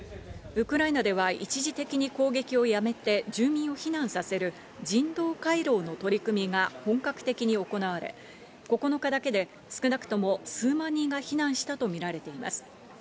ウクライナでは一時的に攻撃をやめて、住民を避難させる人道回廊の取り組みが本格的に行われ、９日だけで少なくとも数万人が避難したとみられています。